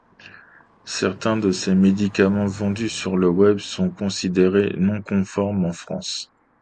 Certains de ses médicaments vendus sur le web sont considérés non conformes en France.